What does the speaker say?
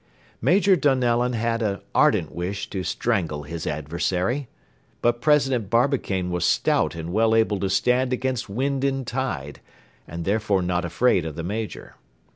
Major Donellan had an ardent wish to strangle his adversary. But President Barbicane was stout and well able to stand against wind and tide, and therefore not afraid of the Major.